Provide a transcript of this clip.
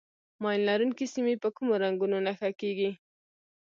ماین لرونکي سیمې په کومو رنګونو نښه کېږي.